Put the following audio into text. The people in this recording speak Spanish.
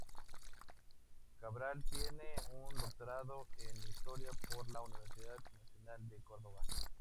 Cabral tiene un Doctorado en Historia por la Universidad Nacional de Córdoba.